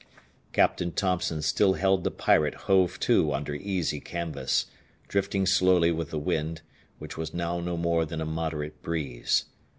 Captain Thompson still held the Pirate hove to under easy canvas, drifting slowly with the wind, which was now no more than a moderate breeze.